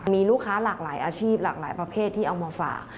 มีลูกค้าหลากหลายอาชีพหลากหลายประเภทที่เอามาฝาก